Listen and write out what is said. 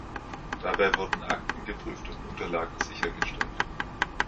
Dabei wurden Akten geprüft und Unterlagen sichergestellt.